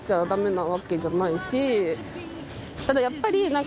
ただやっぱり。